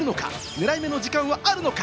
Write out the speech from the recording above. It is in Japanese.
狙い目の時間はあるのか？